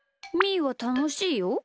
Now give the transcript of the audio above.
みーはたのしいよ。